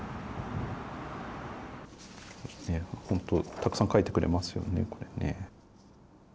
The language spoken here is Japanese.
たくさん書いてくれますよね、これね。